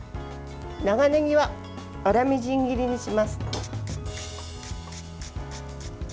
長ねぎは粗みじん切りにします。